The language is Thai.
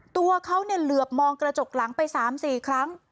ตัวเขาเหลือบมองกระจกหลังไป๓๔ครั้ง